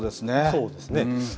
そうですね。